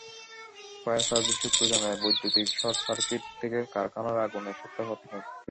Fire service সূত্র জানায়, বৈদ্যুতিক শর্টসার্কিট থেকে কারখানায় আগুনের সূত্রপাত হয়।